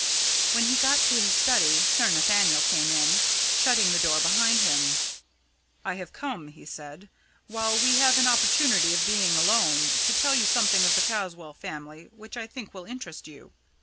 When he got to his study Sir Nathaniel came in, shutting the door behind him. "I have come," he said, "while we have an opportunity of being alone, to tell you something of the Caswall family which I think will interest you.